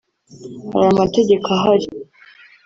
hari amategeko ahari